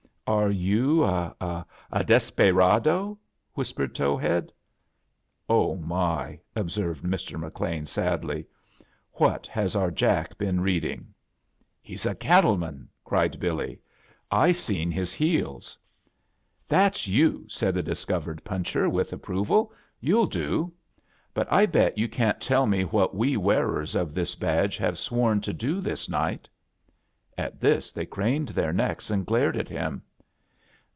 "Are you a — a desperaydo?" whispered Towhead. "Oh, my!" observed Mr. HcLean, sad ly; "what has oat Jack "He's a cattle manf seen his heels." A JOURNEY IN SBARCH OF CHRISTMAS "Tbat'syour'said the discovered punch er, with approvaL "You'll do. But I bet you can't tell me what we wearers of this badge have sworn to do this night." At this they craned their necks and glared at him.